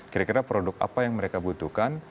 kira kira produk apa yang mereka butuhkan